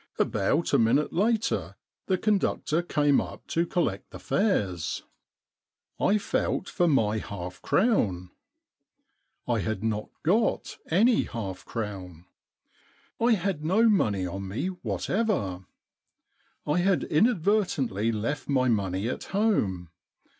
About a minute later the conductor came up to collect the fares. I felt for my half crown. I had not got any half crown. 197 The Problem Club I had no money on me whatever. I had inadvertently left my money at home.